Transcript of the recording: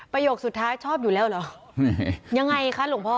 สุดท้ายชอบอยู่แล้วเหรอยังไงคะหลวงพ่อ